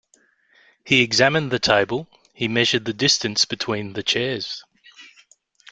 He examined the table, he measured the distance between the chairs.